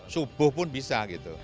subuh pun bisa